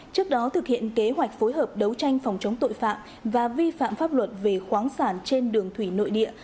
trước đó thực hiện kế hoạch phối hợp đấu tranh phòng chống tội phạm và vi phạm pháp luật về khoáng sản trên đường thủy nội địa